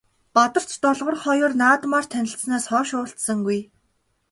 Бадарч Долгор хоёр наадмаар танилцсанаас хойш уулзаагүй.